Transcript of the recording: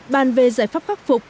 bàn về giải pháp khắc phục